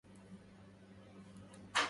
لا سقى الله بعلبك